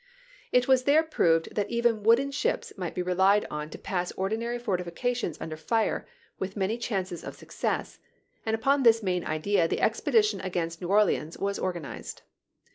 It was there proved that even wooden ships might be relied on to pass ordinary fortifica tions under fire with many chances of success ; and upon this main idea the expedition against New Orleans was organized.